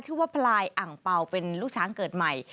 พลายอ่างเป่าเป็นลูกช้างเกิดใหม่